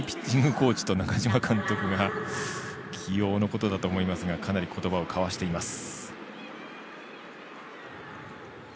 コーチと中嶋監督が起用のことだと思いますがかなり言葉を交わしています。